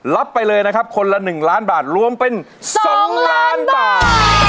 รับไปเลยนะครับคนละ๑ล้านบาทรวมเป็น๒ล้านบาท